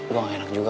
gue gak enak juga